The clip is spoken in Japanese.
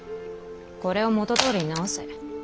これを元どおりに直せ。